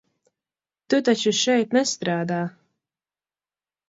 Tu taču šeit nestrādā?